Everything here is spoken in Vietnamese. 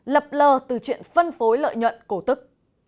lập lờ từ chuyện phân phối lợi nhuận cổ tức